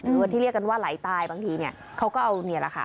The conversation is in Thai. หรือว่าที่เรียกกันว่าไหลตายบางทีเนี่ยเขาก็เอานี่แหละค่ะ